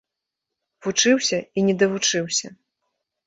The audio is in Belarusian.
Вучыўся і не давучыўся.